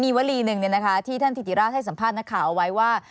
วลีหนึ่งที่ท่านธิติราชให้สัมภาษณ์นักข่าวเอาไว้ว่า